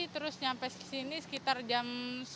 terus nyampe sini sekitar jam sepuluh tiga puluh sebelas